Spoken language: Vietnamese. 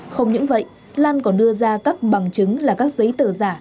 không những vậy lan còn đưa ra các bằng chứng là các giấy tờ giả